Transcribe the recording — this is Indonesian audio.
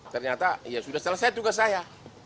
ternyata ya sudah selesai tugas saya